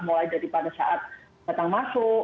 mulai dari pada saat datang masuk